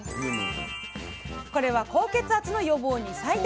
これは高血圧の予防に最適。